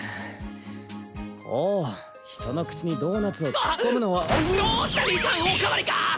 光人の口にドーナツを突っ込むのはどうした兄ちゃんおかわりか？